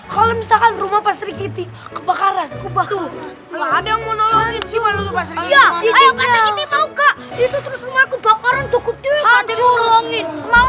kalau misalkan rumah pak serikiti kebakaran kubah tuh ada yang mau nolongin simen